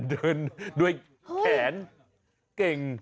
เดินด้วยแขนเก่ง